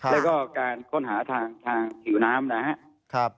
แล้วก็การค้นหาทางผิวน้ำนะครับ